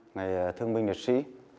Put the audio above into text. ngày thương binh liệt sĩ